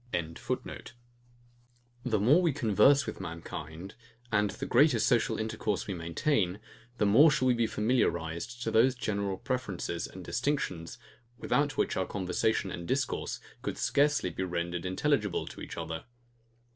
] The more we converse with mankind, and the greater social intercourse we maintain, the more shall we be familiarized to these general preferences and distinctions, without which our conversation and discourse could scarcely be rendered intelligible to each other.